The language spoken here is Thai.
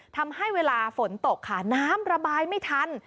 ทำให้เวลาฝนตกค่ะน้ำระบายไม่ทัน